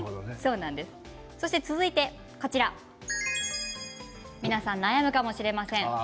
続いて皆さん悩むかもしれません。